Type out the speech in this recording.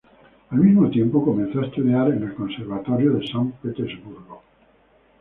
Al mismo tiempo, comenzó a estudiar en el Conservatorio de San Petersburgo.